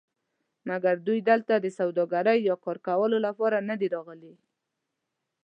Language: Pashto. مګر دوی دلته د سوداګرۍ یا کار کولو لپاره ندي راغلي.